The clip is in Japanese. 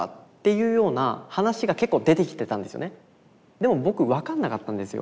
でも僕分かんなかったんですよ。